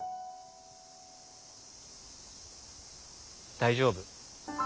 大丈夫。